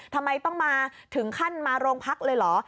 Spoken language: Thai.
ทำไมต้องมาถึงขั้นมาโรงพักเลยเหรอ